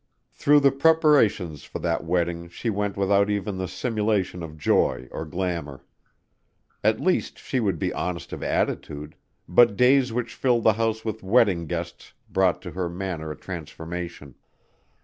Through the preparations for that wedding she went without even the simulation of joy or glamour. At least she would be honest of attitude, but days which filled the house with wedding guests brought to her manner a transformation.